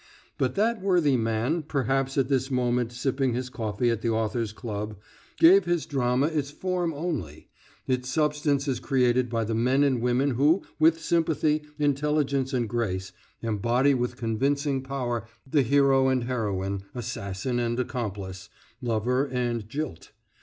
But that worthy man, perhaps at this moment sipping his coffee at the Authors' Club, gave his drama its form only; its substance is created by the men and women who, with sympathy, intelligence and grace, embody with convincing power the hero and heroine, assassin and accomplice, lover and jilt.